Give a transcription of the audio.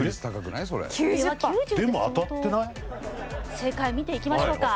正解見ていきましょうか。